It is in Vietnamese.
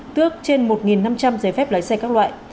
tước trên một năm trăm linh giấy phép lái xe các loại